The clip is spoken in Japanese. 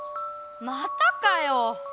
またかよ？